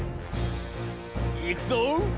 いくぞ！